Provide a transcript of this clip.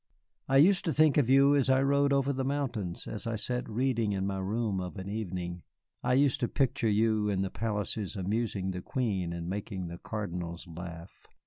I used to think of you as I rode over the mountains, as I sat reading in my room of an evening. I used to picture you in the palaces amusing the Queen and making the Cardinals laugh.